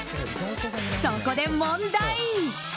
そこで問題。